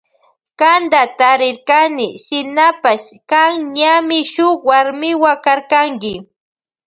Kanta tarirkani shinapash kan ñami shuk warmiwa karkanki.